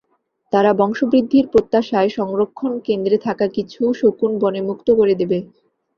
তারা বংশবৃদ্ধির প্রত্যাশায় সংরক্ষণকেন্দ্রে থাকা কিছু শকুন বনে মুক্ত করে দেবে।